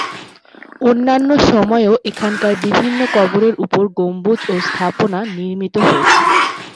অন্যান্য সময়েও এখানকার বিভিন্ন কবরের উপর গম্বুজ ও স্থাপনা নির্মিত হয়েছে।